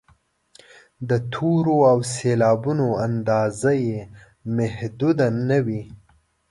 د تورو او سېلابونو اندازه یې محدوده نه وي.